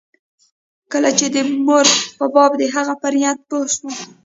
کله چې د مور په باب د هغه پر نيت پوه سوم.